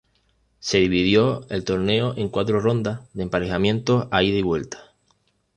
Se dividió el torneo en cuatro rondas de emparejamientos a ida y vuelta.